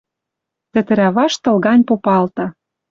Тӹтӹрӓ вашт тыл гань попалта: